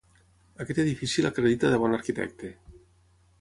Aquest edifici l'acredita de bon arquitecte.